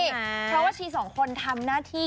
เพราะว่าชีสองคนทำหน้าที่